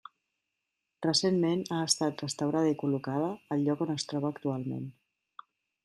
Recentment ha estat restaurada i col·locada al lloc on es troba actualment.